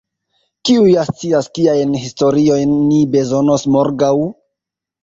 Kiu ja scias kiajn historiojn ni bezonos morgaŭ?